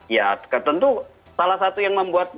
ya tentu salah satu yang membuat